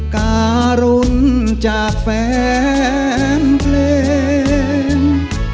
การุณจากแฟนเพลง